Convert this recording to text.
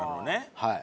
はい。